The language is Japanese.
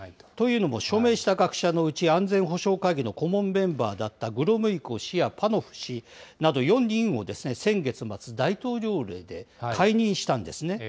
というのも署名した学者のうち安全保障会議の顧問メンバーだったグロムイコ氏やパノフ氏など４人を先月末、大統領令で解任したんですね。